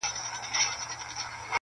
اسمان چي مځکي ته راځي قیامت به سینه--!